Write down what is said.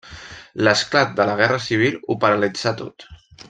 L'esclat de la guerra civil ho paralitzà tot.